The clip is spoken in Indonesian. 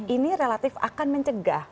ini relatif akan mencegah